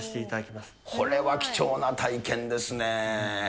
これは貴重な体験ですね。